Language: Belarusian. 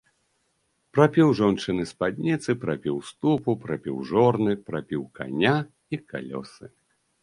Прапіў жончыны спадніцы, прапіў ступу, прапіў жорны, прапіў каня і калёсы.